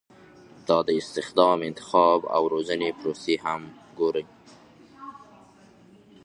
دا د استخدام، انتخاب او روزنې پروسې هم ګوري.